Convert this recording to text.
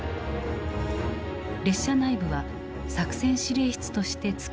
列車内部は作戦司令室として使われた。